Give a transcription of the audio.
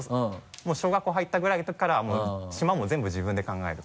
もう小学校入ったぐらいのときからはもう島も全部自分で考える。